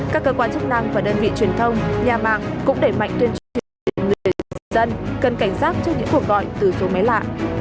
các cơ quan chức năng và đơn vị truyền thông nhà mạng cũng đẩy mạnh tuyên truyền cho những người dân cần cảnh giác cho những cuộc gọi từ số máy lạ